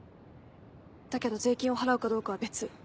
だけど税金を払うかどうかは別。